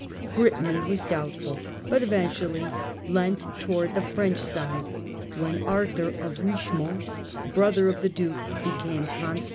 Brittany was doubtful, but eventually leant towards the French side, when Arthur of Richemont, brother of the Duke, became Con stable.